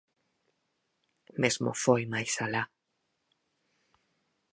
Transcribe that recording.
Mesmo foi máis alá.